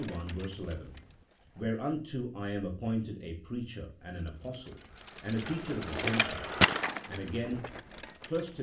11), " Whereunto I am appointed a preacher, and an apostle, and a teacher of the Gentiles ;" and again (1 Tim.